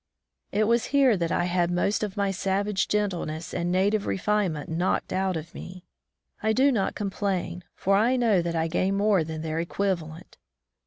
It was here that I had most of my savage gentleness and native refinement knocked out of me. I do not complain, for I know that I gained more than their equivalent.